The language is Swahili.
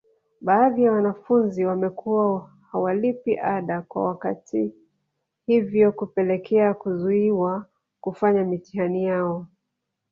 Baadhi ya wanafunzi wamekuwa hawalipi ada kwa wakati hivyo kupelekea kuzuiwa kufanya mitihani yao